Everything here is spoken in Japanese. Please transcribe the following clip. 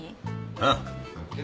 ああ。